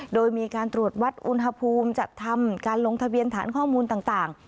โดยมีการตรวจวัดอุณหภูมิจัดทำการลงทะเบียนฐานข้อมูลต่าง